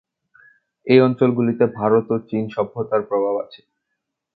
এই অঞ্চলগুলিতে ভারত ও চীন সভ্যতার প্রভাব আছে।